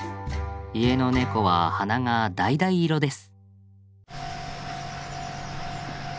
家のネコは鼻がだいだい色です。